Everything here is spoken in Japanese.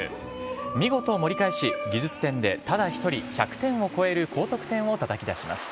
見事、盛り返し、技術点でただ一人１００点を超える高得点をたたき出します。